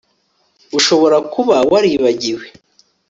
Ushobora kuba waribagiwe